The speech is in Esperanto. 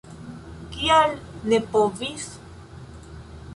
Kial ne povis?